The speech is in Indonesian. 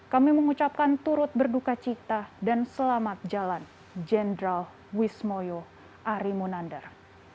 kami mengucapkan turut berduka cita dan selamat jalan jenderal wismoyo arimunandar